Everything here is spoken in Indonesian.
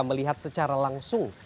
melihat secara langsung